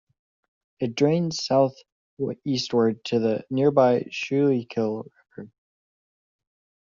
It drains southeastward to the nearby Schuylkill River.